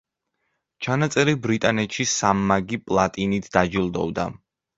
ჩანაწერი ბრიტანეთში სამმაგი პლატინით დაჯილდოვდა.